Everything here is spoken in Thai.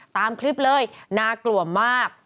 ตามคลิปเลยน่ากลัวมาก